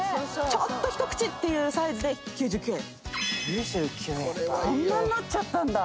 ちょっと一口っていうサイズで９９円。